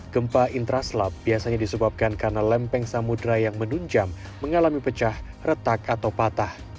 gempa intraslap biasanya disebabkan karena lempeng samudera yang menunjam mengalami pecah retak atau patah